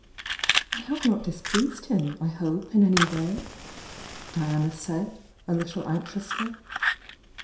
"I have not displeased him, I hope, in any way?" Diana said, a little anxiously.